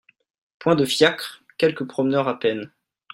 Point de fiacres, quelques promeneurs à peine.